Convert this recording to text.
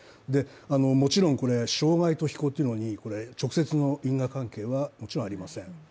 もちろん障害と非行というのに直接の因果関係はもちろんありません、